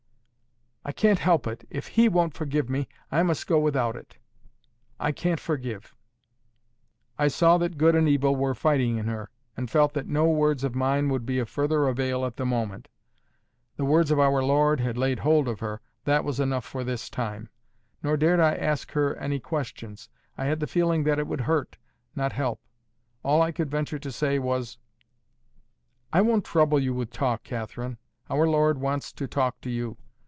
"I can't help it. If He won't forgive me, I must go without it. I can't forgive." I saw that good and evil were fighting in her, and felt that no words of mine could be of further avail at the moment. The words of our Lord had laid hold of her; that was enough for this time. Nor dared I ask her any questions. I had the feeling that it would hurt, not help. All I could venture to say, was: "I won't trouble you with talk, Catherine. Our Lord wants to talk to you.